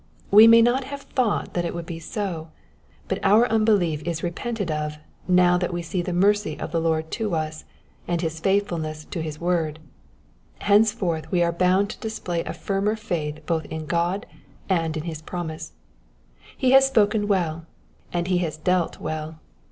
We may not have thought that it would be so, but our unbelief is repented of now that we see the mercy of the Lord to us, and his faithfulness to his word ; henceforth we are bound to display a firmeii faith both in God and in his promise. He has spoken well, and he has dealt well.